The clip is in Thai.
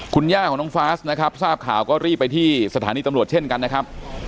คุณย่าของน้องฟาสนะครับทราบข่าวก็รีบไปที่สถานีตำรวจเช่นกันนะครับ